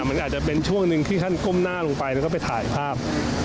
มันอาจจะเป็นช่วงหนึ่งที่ท่านก้มหน้าลงไปแล้วก็ไปถ่ายภาพ